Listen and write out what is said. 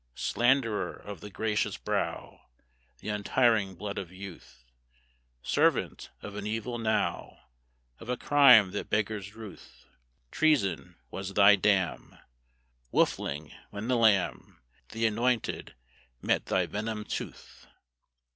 Slanderer of the gracious brow, The untiring blood of youth, Servant of an evil now, Of a crime that beggars ruth, Treason was thy dam, Wolfling, when the Lamb, The Anointed, met thy venomed tooth.